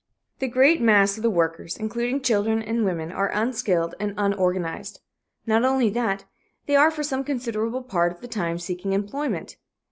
The great mass of the workers including children and women are unskilled and unorganized. Not only that, they are for some considerable part of the time seeking employment.